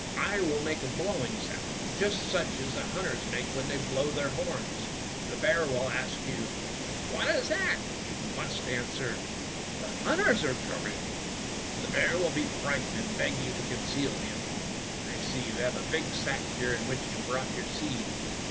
I will make a blowing sound just such as the hunters make when they blow their horns. The bear will ask you, ' WTiat is that? ' Fairy Tale Foxes 193 "You must answer, 'The hunters are coming/ f "The bear will be frightened and beg you to conceal him. I see you have a big sack here in which you brought your seed.